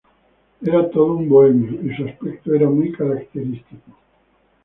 Era todo un bohemio y su aspecto era muy característico.